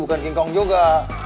bukan kagetan juga